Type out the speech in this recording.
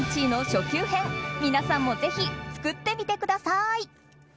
初級編皆さんもぜひ作ってみてください。